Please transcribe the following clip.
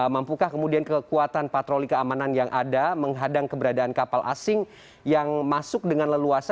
mampukah kemudian kekuatan patroli keamanan yang ada menghadang keberadaan kapal asing yang masuk dengan leluasa